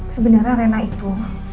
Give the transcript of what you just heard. sebenernya rena itu